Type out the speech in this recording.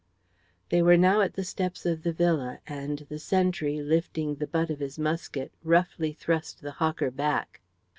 They were now at the steps of the villa, and the sentry, lifting the butt of his musket, roughly thrust the hawker back.